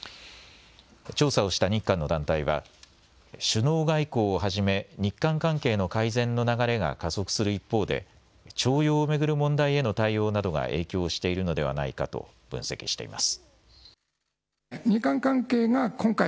調査をした日韓の団体は首脳外交をはじめ日韓関係の改善の流れが加速する一方で徴用を巡る問題への対応などが影響しているのではないかと分析しています。